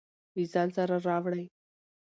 له ځان سره راوړئ.